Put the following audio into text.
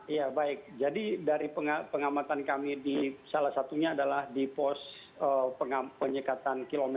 ya baik jadi dari pengamatan kami di salah satunya adalah di pos penyekatan km